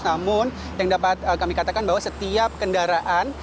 namun yang dapat kami katakan bahwa setiap kendaraan